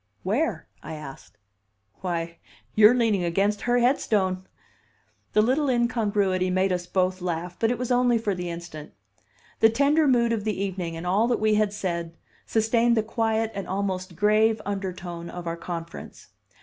"Where?" I asked. "Why you're leaning against her headstone!" The little incongruity made us both laugh, but it was only for the instant. The tender mood of the evening, and all that we had said, sustained the quiet and almost grave undertone of our conference.